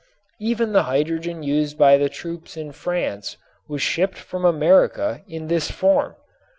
Even the hydrogen used by the troops in France was shipped from America in this form.